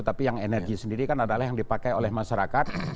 tapi yang energi sendiri kan adalah yang dipakai oleh masyarakat